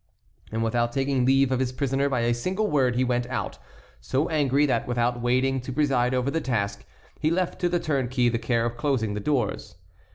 And without taking leave of his prisoner by a single word he went out, so angry that without waiting to preside over the task, he left to the turnkey the care of closing the doors.